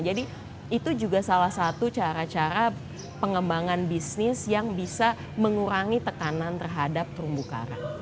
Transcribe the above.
jadi itu juga salah satu cara cara pengembangan bisnis yang bisa mengurangi tekanan terhadap kerumbu karang